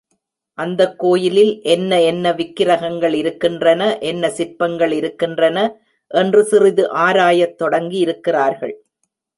அந்தக் கோயிலில் என்ன என்ன விக்கிரகங்கள் இருக்கின்றன, என்ன சிற்பங்கள் இருக்கின்றன என்று சிறிது ஆராயத் தொடங்கியிருக்கிறார்கள்.